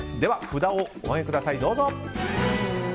札をお上げください。